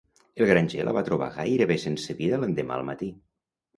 El granger la va trobar gairebé sense vida l'endemà al matí.